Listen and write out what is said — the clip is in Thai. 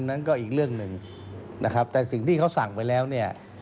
นั้นก็อีกเรื่องหนึ่งนะครับแต่สิ่งที่เขาสั่งไปแล้วเนี่ย